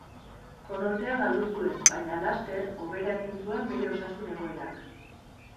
Konortea galdu zuen, baina laster hobera egin zuen bere osasun-egoerak.